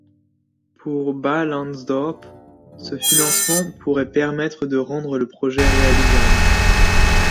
Pour Bas Lansdorp, ce financement pourrait permettre de rendre le projet réalisable.